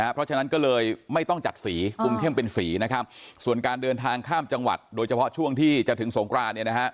เพราะฉะนั้นก็เลยไม่ต้องจัดสีคุมเข้มเป็นสีนะครับส่วนการเดินทางข้ามจังหวัดโดยเฉพาะช่วงที่จะถึงสงคราน